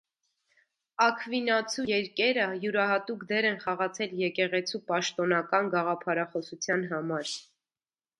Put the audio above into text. Աքվինացու երկերը յուրահատուկ դեր են խաղացել եկեղեցու պաշտոնական գաղափարախոսության համար։